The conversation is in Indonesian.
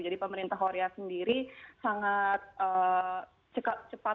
jadi pemerintah korea sendiri sangat cepat